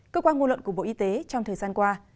cơ quan ngôn luận của bộ y tế trong thời gian qua